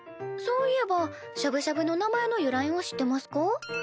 そういえばしゃぶしゃぶの名前の由来を知ってますか？